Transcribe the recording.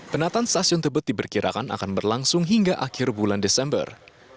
penataan stasiun tebet diperkirakan akan berlangsung hingga akhir bulan desember